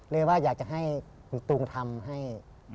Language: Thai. เรียกว่าอยากให้คุณธูงทำให้